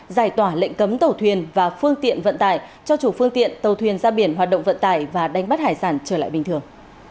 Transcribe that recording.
giải tỏa lệnh cấm tàu thuyền và phương tiện vận tải cho chủ phương tiện tàu thuyền ra biển hoạt động vận tải và đánh bắt hải sản trở lại bình thường